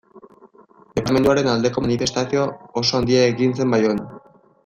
Departamenduaren aldeko manifestazio oso handia egin zen Baionan.